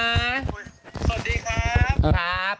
สวัสดีครับ